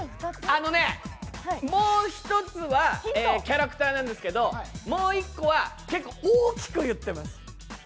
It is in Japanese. もう一つはキャラクターなんですけど、もう１個は結構大きく言ってます。